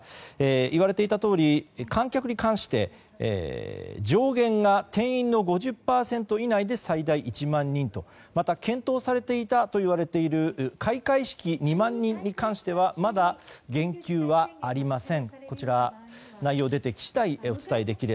言われていたとおり観客に関して上限が定員の５０％以内で最大１万人と、また検討されていたといわれている開会式２万人に関してはまだ言及はありません。